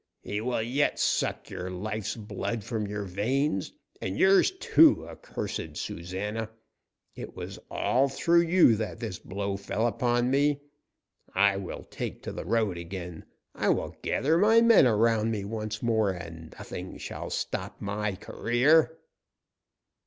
"He will yet suck your life's blood from your veins and yours, too, accursed Susana! It was all through you that this blow fell upon me. I will take to the road again; I will gather my men around me once more, and nothing shall stop my career."